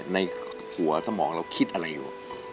ในหัวสมองเราคิดอะไรอยู่